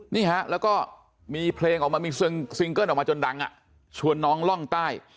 นี่ฮะแล้วก็มีเพลงออกมามีซิงเกิ้ลออกมาจนดังชวนน้องล่องใต้